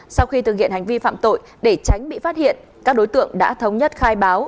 sau khi thực hiện hành vi phạm tội để tránh bị phát hiện các đối tượng đã thống nhất khai báo